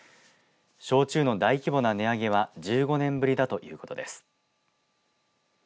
焼酎の大規模な値上げは１５年ぶりだということです。